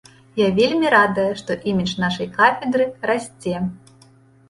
Я вельмі радая, што імідж нашай кафедры расце.